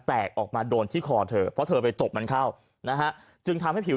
แตกออกมาโดนที่คอเธอเพราะเธอไปตบมันเข้านะฮะจึงทำให้ผิว